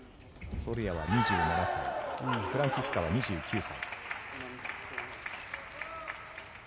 ソルヤは２７歳フランツィスカは２９歳。